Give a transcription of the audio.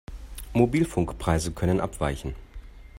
Mobilfunkpreise können abweichen.